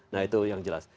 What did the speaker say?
nah itu yang jelas